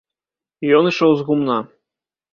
Ён ішоў з гумна.